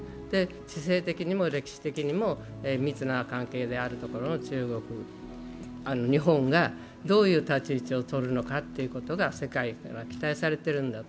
地政的にも歴史的にも密な関係であるところの日本がどういう立ち位置を取るのか世界から期待されている。